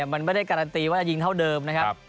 มันไม่ได้การันตีว่าจะยิงเท่าเดิมนะครับ